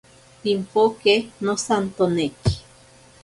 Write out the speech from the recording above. Pimpoke nosantoneki.